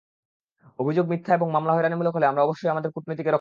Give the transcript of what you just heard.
অভিযোগ মিথ্যা এবং মামলা হয়রানিমূলক হলে আমরা অবশ্যই আমাদের কূটনীতিককে রক্ষা করব।